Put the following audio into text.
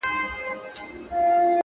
عمر ځکه ډېر کوي چي پوه په کار دی!